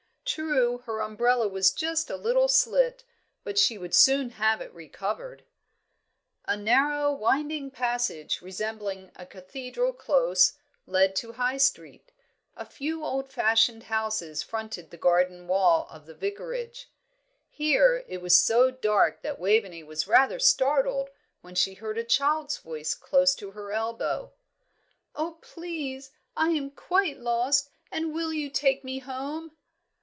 True, her umbrella was just a little slit, but she would soon have it re covered. A narrow, winding passage, resembling a cathedral close, led to High Street. A few old fashioned houses fronted the garden wall of the Vicarage. Here it was so dark that Waveney was rather startled when she heard a child's voice close to her elbow. "Oh, please, I am quite lost, and will you take me home?"